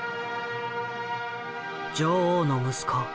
女王の息子